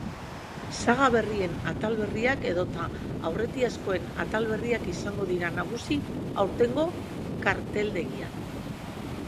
Saga berrien atal berriak edota aurretiazkoen atal berriak izango dira nagusi aurtengo karteldegian.